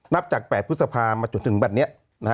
นับจาก๘พฤษภามาจนถึงวันนี้